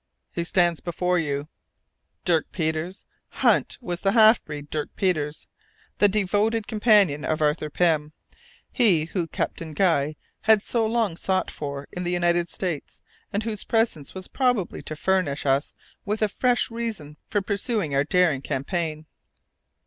"He stands before you." Dirk Peters! Hunt was the half breed Dirk Peters, the devoted companion of Arthur Pym, he whom Captain Guy had so long sought for in the United States, and whose presence was probably to furnish us with a fresh reason for pursuing our daring campaign.